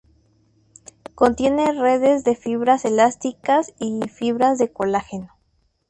Contiene redes de fibras elásticas y fibras de colágeno.